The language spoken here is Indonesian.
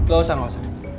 gak usah gak usah